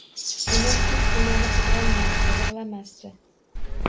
Inim hech nimani qizg’anmasdi, yig’lamasdi